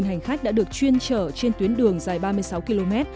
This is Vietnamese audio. chín mươi hành khách đã được chuyên chở trên tuyến đường dài ba mươi sáu km